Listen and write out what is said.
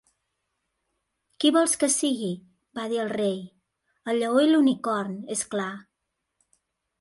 "Qui vols que sigui?", va dir el Rei, "El lleó i l'unicorn, és clar."